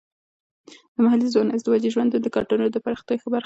د محلي ځوانانو ازدواجي ژوندونه د کلتور د پراختیا برخه ده.